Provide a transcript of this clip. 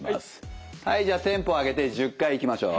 はいじゃあテンポを上げて１０回いきましょう。